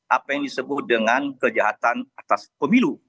apa yang disebut dengan kejahatan atas pemilu